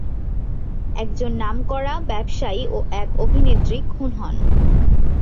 একজন নামকরা ব্যবসায়ী ও এক অভিনেত্রী খুন হন।